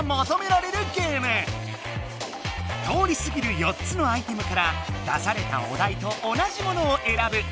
通りすぎる４つのアイテムから出されたお題と同じものをえらぶ。